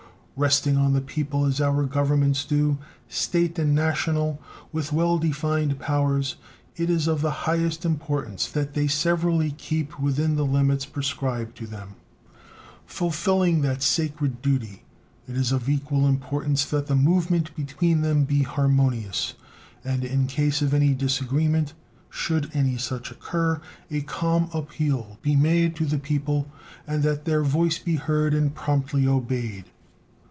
Resting on the people as our Governments do, State and National, with well defined powers, it is of the highest importance that they severally keep within the limits prescribed to them. Fulfilling that sacred duty, it is of equal importance that the movement between them be harmonious, and in case of any disagreement, should any such occur, a calm appeal be made to the people, and that their voice be heard and promptly obeyed.